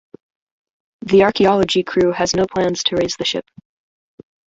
The archaeology crew has no plans to raise the ship.